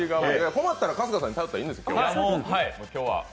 困ったら春日さんに頼ったらいいんですよ。